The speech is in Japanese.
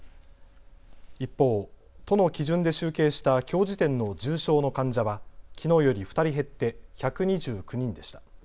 一方、都の基準で集計したきょう時点の重症の患者はきのうより２人減って１２９人でした。